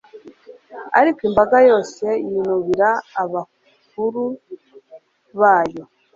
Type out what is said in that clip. ariko imbaga yose yinubira abakuru bayo